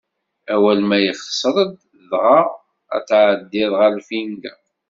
Awal ma yexṣer-d, dɣa ad tɛeddiḍ ɣer lfinga.